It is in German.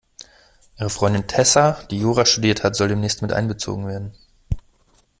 Ihre Freundin Tessa, die Jura studiert hat, soll demnächst miteinbezogen werden.